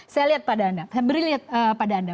saya lihat pada anda saya beri lihat pada anda